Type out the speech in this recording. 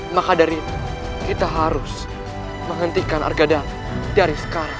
maka dari itu kita harus menghentikan argandana dari sekarang